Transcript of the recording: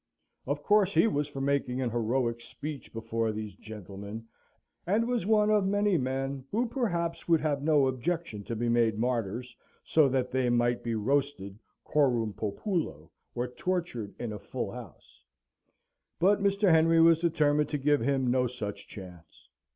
Of course he was for making an heroic speech before these gentlemen (and was one of many men who perhaps would have no objection to be made martyrs, so that they might be roasted coram populo, or tortured in a full house), but Mr. Henry was determined to give him no such chance.